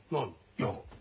いや。